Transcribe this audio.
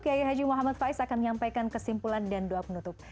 kiai haji muhammad faiz akan menyampaikan kesimpulan dan doa penutup